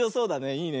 いいね。